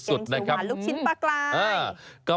สูงหาลูกชิ้นปลากราย